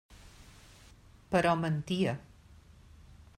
Però mentia.